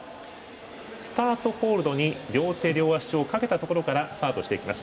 スタートホールドに両手両足を掛けたところからスタートしていきます。